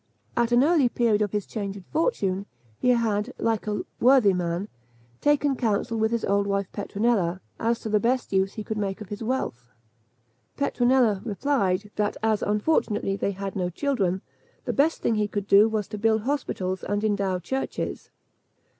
At an early period of his changed fortune, he had, like a worthy man, taken counsel with his old wife Petronella, as to the best use he could make of his wealth. Petronella replied, that as unfortunately they had no children, the best thing he could do, was to build hospitals and endow churches.